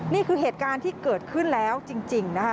นี่คือเหตุการณ์ที่เกิดขึ้นแล้วจริงนะคะ